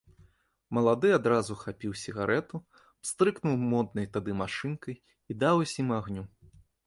Малады адразу хапіў сігарэту, пстрыкнуў моднай тады машынкай і даў усім агню.